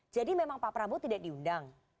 jadi memang pak prabowo tidak diundang